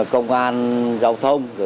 công an giao thông